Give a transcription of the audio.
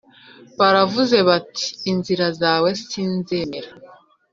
baravuze bati inzira zawe si nzemera